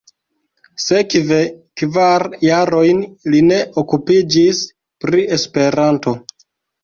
Sekve kvar jarojn li ne okupiĝis pri Esperanto.